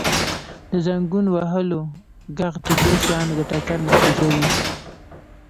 • د زنګون وهلو ږغ د دوو شیانو د ټکر نتیجه وي.